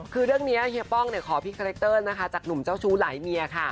คือเรื่องนี้เฮียป้องขอพี่คาแรคเตอร์นะคะจากหนุ่มเจ้าชู้หลายเมียค่ะ